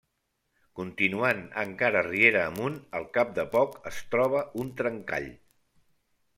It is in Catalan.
Continuant encara riera amunt, al cap de poc es troba un trencall.